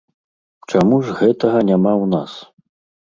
Чаму ж гэтага няма ў нас?